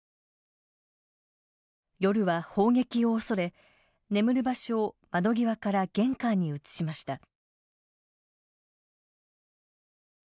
夜は砲撃を恐れ、眠る場所を窓際から玄関に移しました。